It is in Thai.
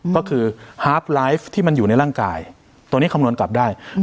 ก็คือที่มันอยู่ในร่างกายตัวนี้คำนวณกลับได้อืม